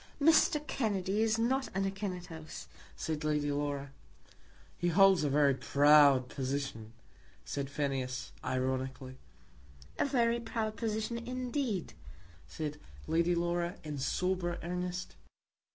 "Mr. Kennedy is not an Akinetos," said Lady Laura. "He holds a very proud position," said Phineas, ironically. "A very proud position indeed," said Lady Laura, in sober earnest.